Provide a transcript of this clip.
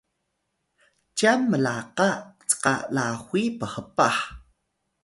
cyan mlaka cka lahuy phpah